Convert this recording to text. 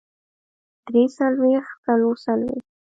درې څلوېښت څلور څلوېښت